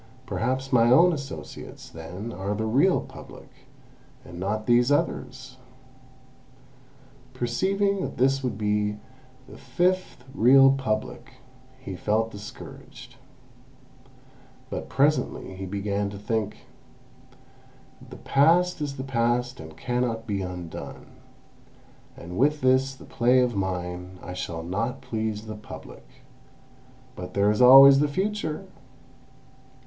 Perhaps my own associates, then, are the real Public, and not these others!" Perceiving that this would be the fifth real Public, he felt discouraged. But presently he began to think: "The past is the past and cannot be undone, and with this play of mine I shall not please the Public; but there is always the future!